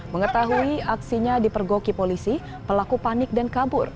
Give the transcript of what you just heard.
mengetahui aksinya di pergoki polisi pelaku panik dan kabur